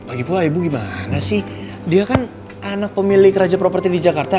lagi pula ibu gimana sih dia kan anak pemilik raja properti di jakarta